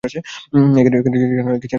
এখানে general Kitchener বলে কেউ নেই।